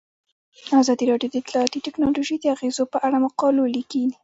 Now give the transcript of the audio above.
ازادي راډیو د اطلاعاتی تکنالوژي د اغیزو په اړه مقالو لیکلي.